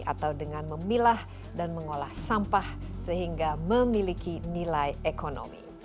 atau dengan memilah dan mengolah sampah sehingga memiliki nilai ekonomi